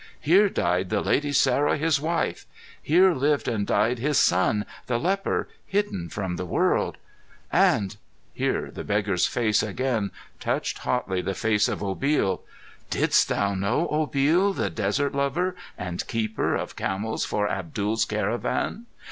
Here died the lady Sarah, his wife. Here lived and died his son, the leper, hidden from the world. "And" here the beggar's face again touched hotly the face of Obil "didst thou know Obil, the Desert lover, and Keeper of Camels for Abdul's Caravan?